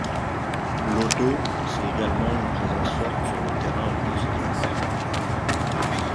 Lotto, c'est également une présence forte sur le terrain au quotidien.